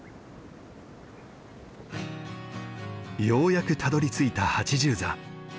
ようやくたどりついた８０座。